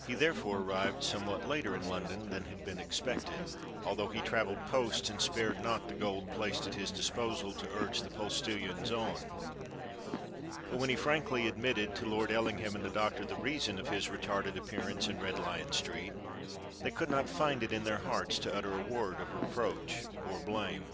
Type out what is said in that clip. He therefore arrived somewhat later in London than had been expected, although he travelled post and spared not the gold placed at his disposal to urge the postillions on: but when he frankly admitted to Lord Ellingham and the doctor the reason of his retarded appearance in Red Lion Street, they could not find it in their hearts to utter a word of reproach or blame.